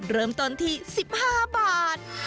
เริ่มต้นที่๑๕บาท